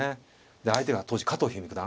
で相手が当時加藤一二三九段。